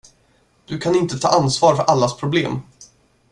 Du kan inte ta ansvar för allas problem.